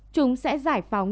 chúng sẽ giải phóng